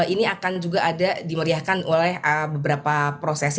ini akan juga ada dimeriahkan oleh beberapa prosesi